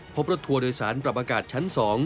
พบรถทัวร์โดยสารปรับอากาศชั้น๒